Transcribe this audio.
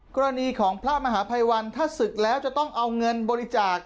กรณีของพระมหาภัยวันถ้าศึกแล้วจะต้องเอาเงินบริจาค